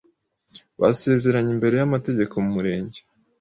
basezeranye imbere y’amategeko mu Murenge